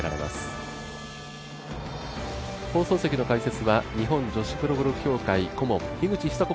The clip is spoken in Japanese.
放送席の解説は、日本女子プロゴルフ協会顧問樋口久子